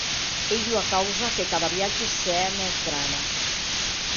Ei ua causa que cada viatge se hè mès grana.